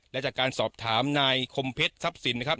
และจากการสอบถามนายคมเพชรทรัพย์สินนะครับ